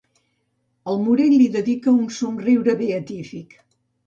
El Morell li dedica un somriure beatífic.